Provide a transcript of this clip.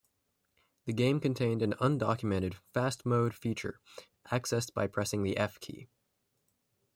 The game contained an undocumented "fast mode" feature, accessed by pressing the F key.